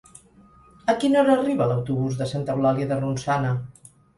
A quina hora arriba l'autobús de Santa Eulàlia de Ronçana?